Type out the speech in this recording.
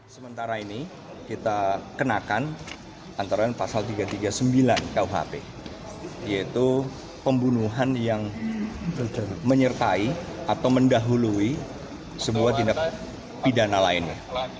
sementara ini kita kenakan antara pasal tiga ratus tiga puluh sembilan kuhp yaitu pembunuhan yang menyertai atau mendahului sebuah tindak pidana lainnya